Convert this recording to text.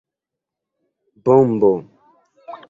Bombo!